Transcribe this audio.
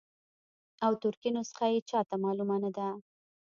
او ترکي نسخه یې چاته معلومه نه ده.